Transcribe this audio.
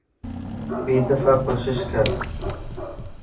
ٻي دفع ڪوشش ڪر